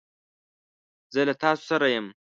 زه له تاسو سره یم.